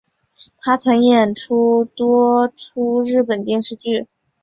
她曾演出多出日本电视剧。